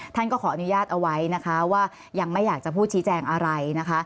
ท่านก็ขออนุญาตเอาไว้นะคะว่ายังไม่อยากจะพูดชี้แจงอะไรนะคะ